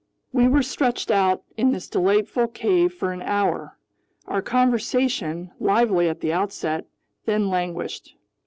We were stretched out in this delightful cave for an hour. Our conversation, lively at the outset, then languished.